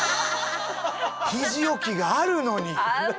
ひじ置きがあるのに。